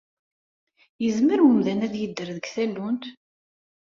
Yezmer umdan ad yedder deg tallunt?